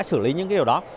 xử lý những điều đó